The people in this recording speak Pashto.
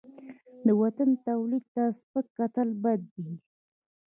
د وطن تولید ته سپک کتل بد دي.